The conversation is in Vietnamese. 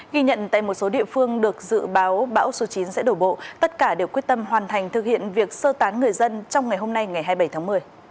ghi nhận tại một số địa phương được dự báo bão số chín sẽ đổ bộ tất cả đều quyết tâm hoàn thành thực hiện việc sơ tán người dân trong ngày hôm nay ngày hai mươi bảy tháng một mươi